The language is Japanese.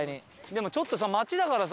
でもちょっとさ街だからさ。